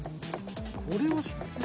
これは知ってる。